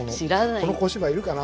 この小芝居いるかな？